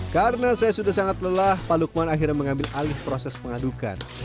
karena saya sudah sangat lelah pak lukman akhirnya mengambil alih proses pengadukan